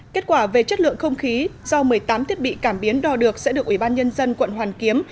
kết quả về chất lượng không khí do một mươi tám thiết bị cảm biến đo được sẽ được ủy ban nhân dân quận hoàn kiếm